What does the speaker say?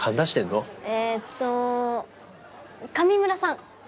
えっと上村さん。